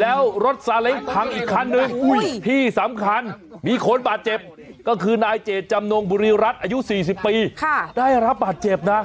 แล้วรถซาเล้งพังอีกคันนึงที่สำคัญมีคนบาดเจ็บก็คือนายเจตจำนงบุรีรัฐอายุ๔๐ปีได้รับบาดเจ็บนะ